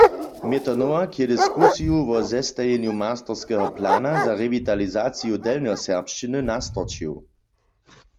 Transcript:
Měto Nowak je diskusiju wo zestajenju masterskeho plana za rewitalizaciju delnjoserbšćiny nastorčił.